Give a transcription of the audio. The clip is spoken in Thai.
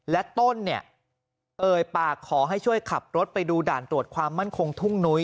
และต้นเนี่ยเอ่ยปากขอให้ช่วยขับรถไปดูด่านตรวจความมั่นคงทุ่งนุ้ย